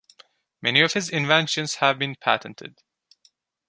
Many of his inventions have been patented.